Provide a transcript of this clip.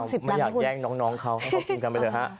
ไม่อยากแย่งน้องเขาให้เขากินกันไปเถอะฮะ